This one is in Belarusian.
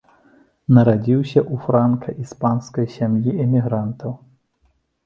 Нарадзіўся ў франка-іспанскай сям'і эмігрантаў.